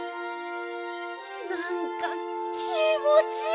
なんか気もちいい！